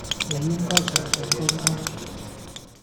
你應該上上高登